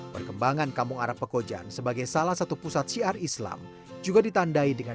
perkembangan kampung arab pekojan sebagai salah satu pusat syiar islam juga ditandai dengan